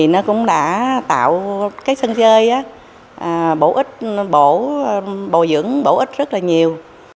nó cũng đã tạo sân chơi bổ dưỡng bổ ích rất nhiều